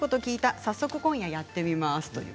早速、今夜やってみます。